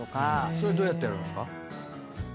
それどうやってやるんですか？